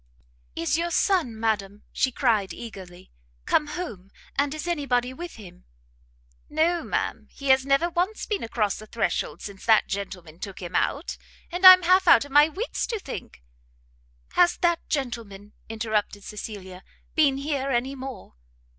"Is your son, madam," she cried, eagerly, "come home? and is any body with him?" "No, ma'am; he has never once been across the threshold since that gentleman took him out; and I am half out of my wits to think" "Has that gentleman," interrupted Cecilia, "been here anymore?"